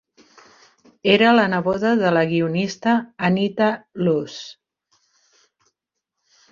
Era la neboda de la guionista Anita Loos.